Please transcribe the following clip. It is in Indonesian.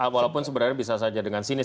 walaupun sebenarnya bisa saja dengan sinis